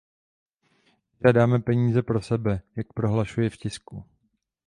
Nežádáme peníze pro sebe, jak se prohlašuje v tisku.